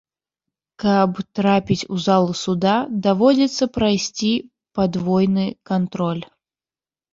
Каб трапіць у залу суда, даводзіцца прайсці падвойны кантроль.